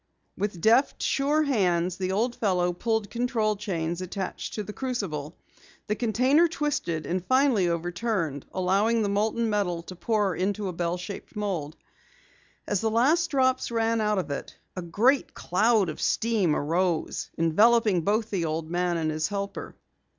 With deft, sure hands, the old fellow pulled control chains attached to the crucible. The container twisted and finally overturned, allowing the molten metal to pour into a bell shaped mold. As the last drops ran out of it, a great cloud of steam arose, enveloping both the old man and his helper.